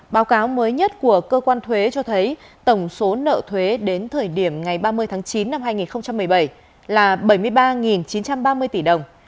báo cáo mới nhất của cơ quan thuế cho thấy tổng số nợ thuế đến thời điểm ngày ba mươi tháng chín năm hai nghìn một mươi bảy là bảy mươi ba chín trăm ba mươi tỷ đồng